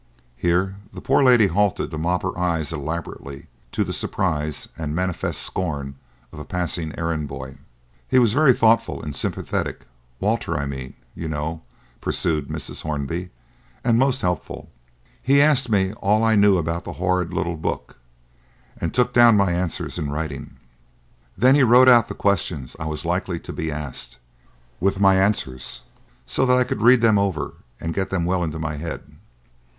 Here the poor lady halted to mop her eyes elaborately, to the surprise and manifest scorn of a passing errand boy. "He was very thoughtful and sympathetic Walter, I mean, you know," pursued Mrs. Hornby, "and most helpful. He asked me all I knew about that horrid little book, and took down my answers in writing. Then he wrote out the questions I was likely to be asked, with my answers, so that I could read them over and get them well into my head.